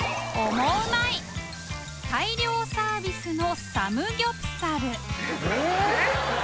大量サービスのサムギョプサルえっ？